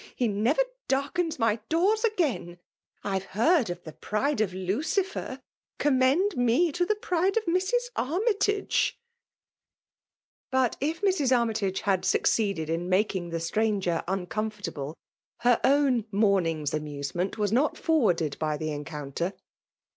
he never darkens my doors again 1 I've heard of the pride of JjucifieT: commend me ioAe pride of Mrs. Armytage !*' Alt if Mrs. Armytage had suooaeded in makiog the stranger uncomfortable, heat own mfomiiig^s amusement was not forwarded by the mwounter.